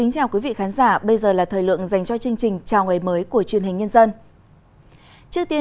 chào mừng quý vị đến với bộ phim hãy nhớ like share và đăng ký kênh của chúng mình nhé